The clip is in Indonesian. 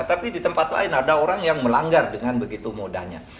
tapi di tempat lain ada orang yang melanggar dengan begitu mudahnya